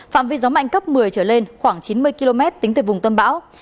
phạm vi gió mạnh cấp một mươi trở lên khoảng chín mươi km tính từ vùng tâm bão